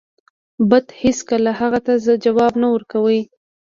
بت هیڅکله هغه ته ځواب نه ورکاو.